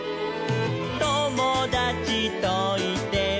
「ともだちといても」